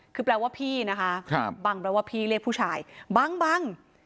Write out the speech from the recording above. คือแปลว่าพี่นะคะบังแปลว่าพี่เรียกผู้ชายบังบัง